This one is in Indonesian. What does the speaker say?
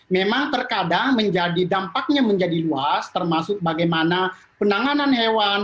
memang terkadang menjadi dampaknya menjadi luas termasuk bagaimana penanganan hewan